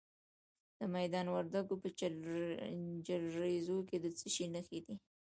د میدان وردګو په جلریز کې د څه شي نښې دي؟